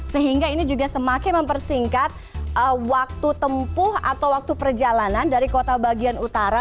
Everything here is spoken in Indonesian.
sehingga ini juga semakin mempersingkat waktu tempuh atau waktu perjalanan dari kota bagian utara